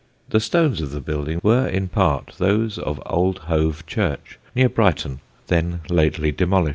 The stones of the building were in part those of old Hove church, near Brighton, then lately demolished.